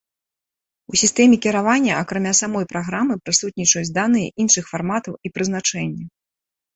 У сістэме кіравання акрамя самой праграмы прысутнічаюць даныя іншых фарматаў і прызначэння.